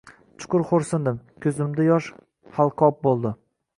Chuqur xo‘rsindim. Ko‘zimda yosh halqob bo‘ldi.